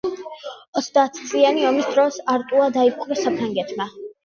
ოცდაათწლიანი ომის დროს არტუა დაიპყრო საფრანგეთმა.